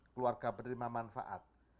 keluarga penerima manfaat